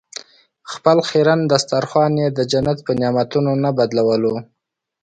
خپل خیرن دسترخوان یې د جنت په نعمتونو نه بدلولو.